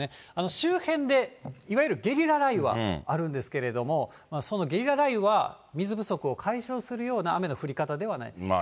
周辺でいわゆるゲリラ雷雨はあるんですけれども、そのゲリラ雷雨は水不足を解消するような雨の降り方ではない。